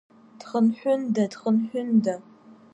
Дхынҳәында, дхынҳәында!